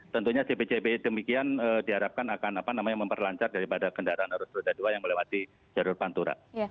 tentunya cb cb demikian diharapkan akan memperlancar daripada kendaraan arus roda dua yang melewati jalur pantura